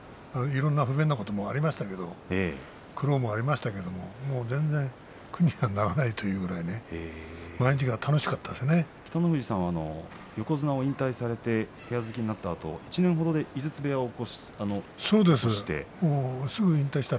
いろんな不便なこともありましたけど苦労もありましたけど全然、苦にはならないというぐら北の富士さんは横綱を引退されて部屋付きになったあと１年程で井筒部屋を興して。